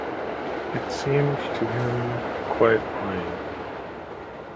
It seemed to him quite plain.